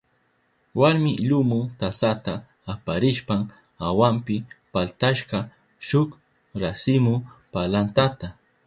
Warmi lumu tasata aparishpan awanpi paltashka shuk rasimu palantata.